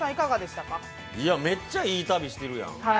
めっちゃいい旅してるやん。